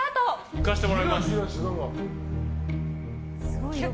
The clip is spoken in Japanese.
いかせてもらいます。